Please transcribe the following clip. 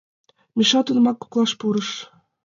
Миша тунамак коклаш пурыш: